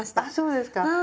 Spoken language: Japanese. あそうですか。